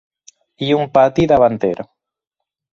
I un pati davanter.